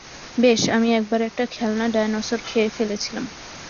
বেশ, আমি একবার একটা খেলনা ডায়নোসর খেয়ে ফেলেছিলাম।